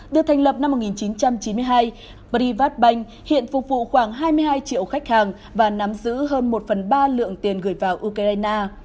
được thành lập năm một nghìn chín trăm chín mươi hai privatbank hiện phục vụ khoảng hai mươi hai triệu khách hàng và nắm giữ hơn một phần ba lượng tiền gửi vào ukraine